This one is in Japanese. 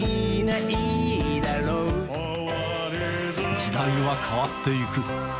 時代は変わっていく。